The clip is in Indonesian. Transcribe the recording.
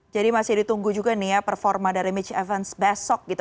jadi masih ditunggu juga nih ya performa dari mitch evans besok gitu